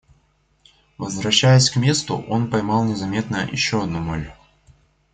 Возвращаясь к месту, он поймал незаметно еще одну моль.